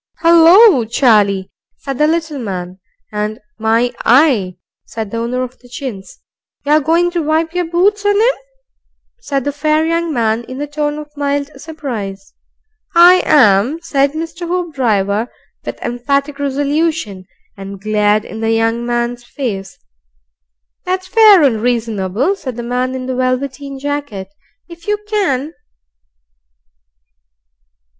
"'Ullo, Charlie!" said the little man, and "My eye!" said the owner of the chins. "You're going to wipe your boots on 'im?" said the fair young man, in a tone of mild surprise. "I am," said Mr. Hoopdriver, with emphatic resolution, and glared in the young man's face. "That's fair and reasonable," said the man in the velveteen jacket; "if you can."